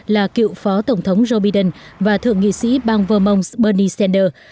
là cựu phó tổng thống joe biden và thượng nghị sĩ bang vermont bernie sanders